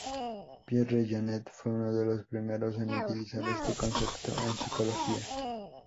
Pierre Janet fue uno de los primeros en utilizar este concepto en psicología.